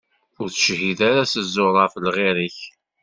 Ur tettcihhideḍ ara s ẓẓur ɣef lɣir-ik.